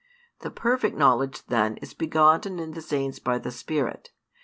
The perfect knowledge then is begotten in the Saints by the Spirit.